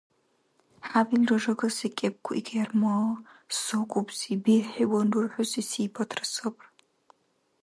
ХӀябилра жагасира кӀебгу икӀ ярма: сакӀубси, берхӀиван рурхӀуси сипатра сабра.